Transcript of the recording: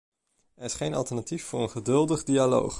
Er is geen alternatief voor een geduldige dialoog.